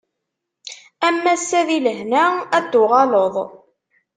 Am wass-a di lehna ad d-tuɣaleḍ.